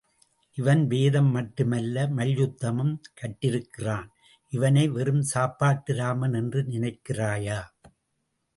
இவன் வேதம் மட்டும் அல்ல மல்யுத்தமும் கற்றிருக்கிறான்.இவனை வெறும் சாப்பாட்டு ராமன் என்று நினைக்கிறாயா?